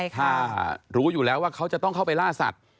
ถ้ารู้อยู่แล้วว่าเขาจะต้องเข้าไปล่าสัตว์